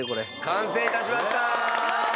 完成致しました！